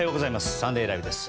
「サンデーＬＩＶＥ！！」です。